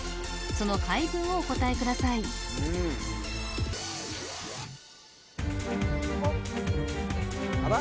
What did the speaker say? その回文をお答えくださいあら？